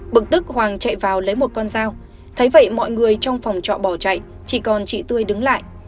bực tức hoàng chạy vào lấy một con dao thấy vậy mọi người trong phòng trọ bỏ chạy chỉ còn chị tươi đứng lại